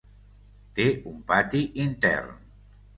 Té un pati intern.